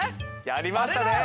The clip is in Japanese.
やりましたね！